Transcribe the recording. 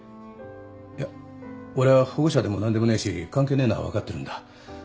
いや俺は保護者でも何でもねえし関係ねえのは分かってるんだ。